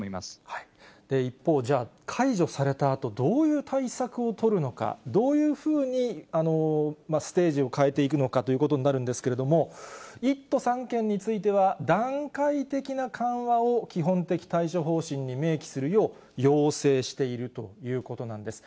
一方、解除されたあとどういう対策を取るのか、どういうふうにステージを変えていくのかということになるんですけれども、１都３県については、段階的な緩和を基本的対処方針に明記するよう要請しているということなんです。